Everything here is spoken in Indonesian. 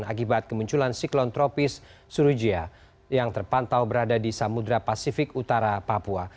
akibat kemunculan siklon tropis surujia yang terpantau berada di samudera pasifik utara papua